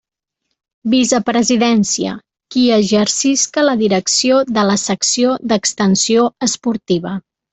Vicepresidència: qui exercisca la direcció de la Secció d'Extensió Esportiva.